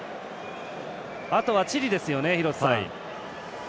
あとはチリですよね。